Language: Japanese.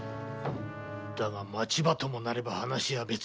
だが町場ともなれば話は別じゃ。